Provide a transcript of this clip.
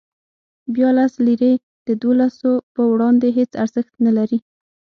بیا لس لیرې د دولسو په وړاندې هېڅ ارزښت نه لري.